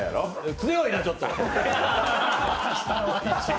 強いな、ちょっと！